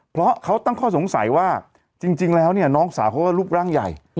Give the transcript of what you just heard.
เพราะเขาตั้งข้อสงสัยว่าจริงแล้วเนี่ยน้องสาวเขาก็รูปร่างใหญ่